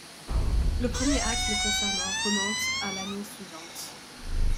Le premier acte le concernant remonte à l'année suivante.